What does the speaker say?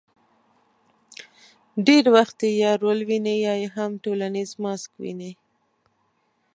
ډېر وخت یې یا رول ویني، یا یې هم ټولنیز ماسک ویني.